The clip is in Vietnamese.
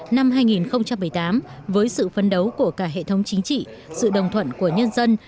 năm hai nghìn một mươi tám với sự phấn đấu của cả hệ thống chính trị sự đồng thuận của nhân dân